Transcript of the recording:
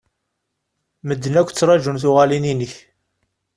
Medden akk ttrajun tuɣalin-inek.